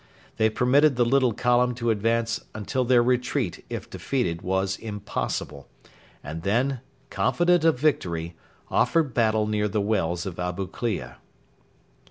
They permitted the little column to advance until their retreat, if defeated, was impossible, and then, confident of victory, offered battle near the wells of Abu Klea.